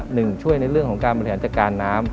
หนึ่งช่วยในเรื่องของการบริหารจัดการน้ำ